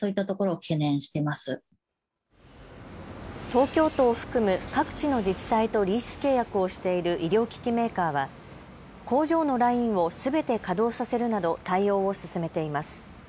東京都を含む各地の自治体とリース契約をしている医療機器メーカーは工場のラインをすべて稼働させるなど対応を進めています。